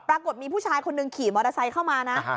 ปรากฏมีผู้ชายคนหนึ่งขี่มอเตอร์ไซค์เข้ามานะ